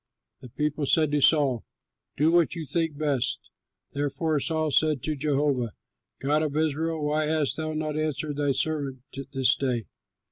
The people said to Saul, "Do what you think best." Therefore Saul said, "Jehovah, God of Israel, why hast thou not answered thy servant this day?